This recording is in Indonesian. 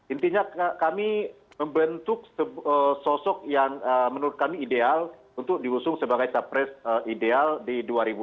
intinya kami membentuk sosok yang menurut kami ideal untuk diusung sebagai capres ideal di dua ribu dua puluh